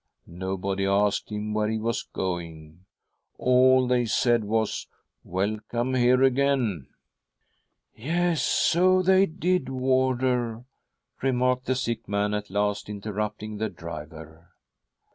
Nobody asked him where he was going— all they said was :' Welcome here again !'"' Yes, so they did, warder," remarked the sick man, at last interrupting the driver.